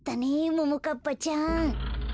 ももかっぱちゃん。